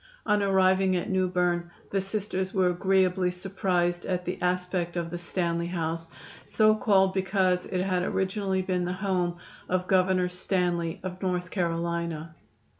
On arriving at Newberne the Sisters were agreeably surprised at the aspect of the "Stanley" House, so called because it had originally been the home of Governor Stanley, of North Carolina.